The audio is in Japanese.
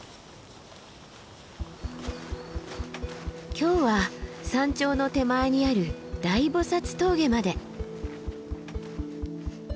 今日は山頂の手前にある大菩峠まで。